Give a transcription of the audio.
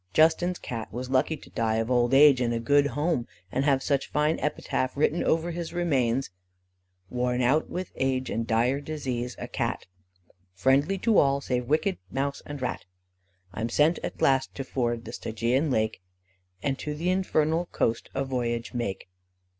Justin's Cat was lucky to die of old age in a good home, and have such a fine epitaph written over his remains: Worn out with age and dire disease, a Cat, Friendly to all save wicked mouse and rat, I'm sent at last to ford the Stygian lake, And to the infernal coast a voyage make.